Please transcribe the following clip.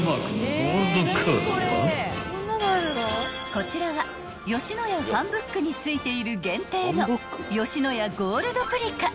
［こちらは『野家ＦＡＮＢＯＯＫ』に付いている限定の野家ゴールドプリカ］